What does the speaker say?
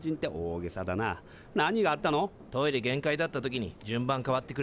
トイレ限界だった時に順番変わってくれた。